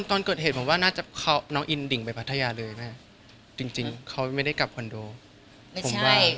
ออกจากพัฒนายาได้เสร็จ